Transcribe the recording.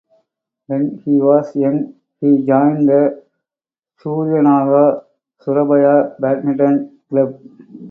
When he was young, he joined the Suryanaga Surabaya badminton club.